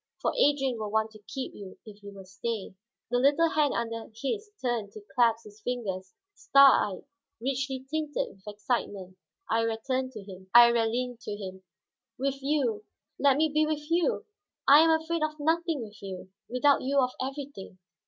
For Adrian will want to keep you, if you will stay." The little hand under his turned to clasp his fingers; star eyed, richly tinted with excitement, Iría leaned to him. "With you, let me be with you. I am afraid of nothing with you, without you of everything.